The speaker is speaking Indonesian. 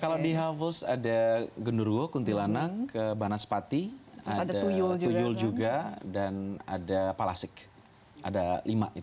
kalau di havils ada genurwo kuntilanang banaspati ada tuyul juga dan ada palasik ada lima itu